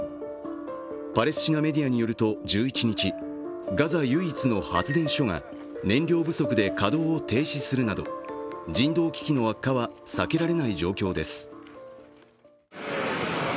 パレスチナメディアによると１１日ガザ唯一の発電所が燃料不足で稼働を停止するなど人道危機の悪化は避けられない状況です。